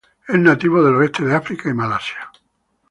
Es nativo del oeste de África y Malasia.